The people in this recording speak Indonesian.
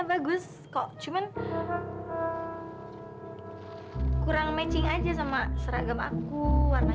aku bikinin yang sesuai sama seragam aku juga